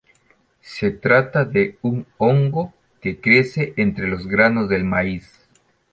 Se trata de un hongo que crece entre los granos del maíz.